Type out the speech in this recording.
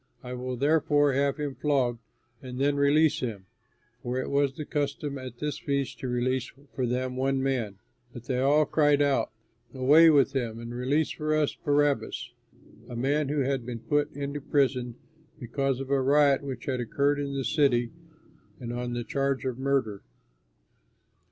I will therefore have him flogged and then release him" (for it was the custom at this feast to release for them one man). But they all cried out, "Away with him and release for us Barabbas" (a man who had been put into prison because of a riot which had occurred in the city, and on the charge of murder).